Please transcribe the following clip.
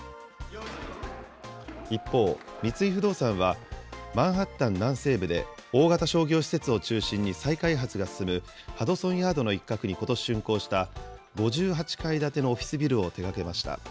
一方、三井不動産は、マンハッタン南西部で大型商業施設を中心に再開発が進むハドソンヤードの一角にことししゅんこうした５８階建てのオフィスビルを手がけました。